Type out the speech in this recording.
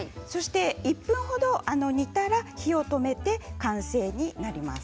１分程、煮たら火を止めて完成になります。